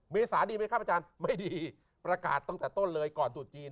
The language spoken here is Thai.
เมษาดีไหมครับอาจารย์ไม่ดีประกาศตั้งแต่ต้นเลยก่อนจุดจีน